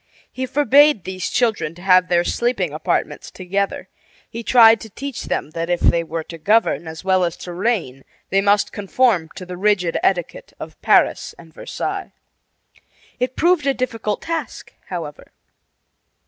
He forbade these children to have their sleeping apartments together. He tried to teach them that if they were to govern as well as to reign they must conform to the rigid etiquette of Paris and Versailles. It proved a difficult task, however.